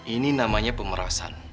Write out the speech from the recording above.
ini namanya pemerasan